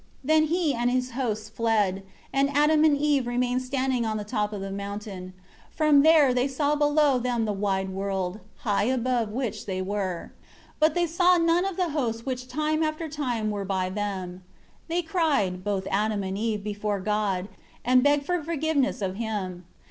2 Then he and his hosts fled, and Adam and Eve remained standing on the top of the mountain, from there they saw below them the wide world, high above which they were. But they saw none of the host which time after time were by them. 3 They cried, both Adam and Eve, before God, and begged for forgiveness of Him.